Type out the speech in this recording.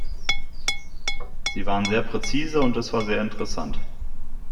Sie waren sehr präzise, und es war sehr interessant.